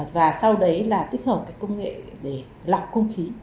và sau đấy là tích hợp cái công nghệ để lọc không khí